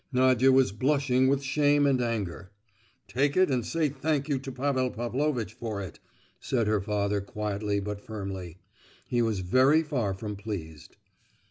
Nadia was blushing with shame and anger. "Take it and say 'thank you' to Pavel Pavlovitch for it," said her father quietly but firmly. He was very far from pleased.